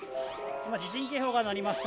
今、地震警報が鳴りました。